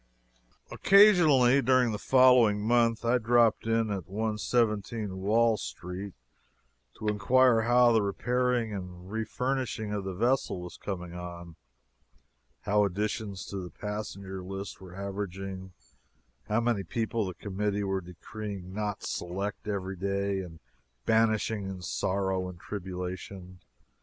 Occasionally, during the following month, I dropped in at 117 Wall Street to inquire how the repairing and refurnishing of the vessel was coming on, how additions to the passenger list were averaging, how many people the committee were decreeing not "select" every day and banishing in sorrow and tribulation.